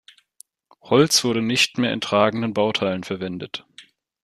Holz wurde nicht mehr in tragenden Bauteilen verwendet.